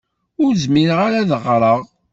Ur zmireɣ ara ad ɣṛeɣ.